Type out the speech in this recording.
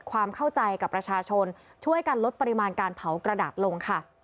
ความเข้าใจกับประชาชนช่วยกันลดปริมาณการเผากระดาษลงค่ะ